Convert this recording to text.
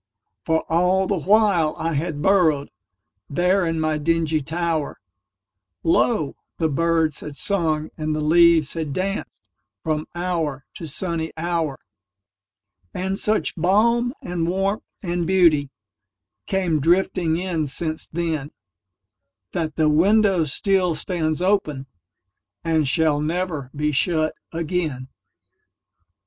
For all the while I had burrowedThere in my dingy tower, Lo! the birds had sung and the leaves had dancedFrom hour to sunny hour. And such balm and warmth and beautyCame drifting in since then, That the window still stands openAnd shall never be shut again.